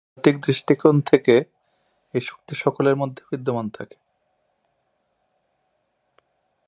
তবে আধ্যাত্মিক দৃষ্টিকোণ থেকে এই শক্তি সকলের মধ্যেই বিদ্যমান থাকে।